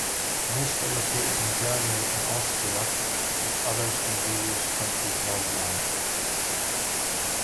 Most are located in Germany and Austria, with others in various countries worldwide.